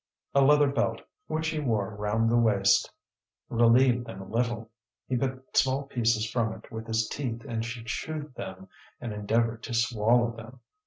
A leather belt, which he wore round the waist, relieved them a little. He bit small pieces from it with his teeth, and she chewed them, and endeavoured to swallow them.